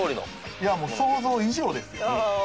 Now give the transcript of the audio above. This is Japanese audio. いやもう想像以上ですよ。ああ。